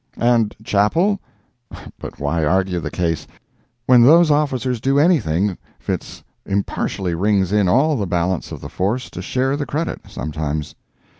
And Chappell? but why argue the case? When those officers do anything Fitz impartially rings in all the balance of the force to share the credit, sometimes.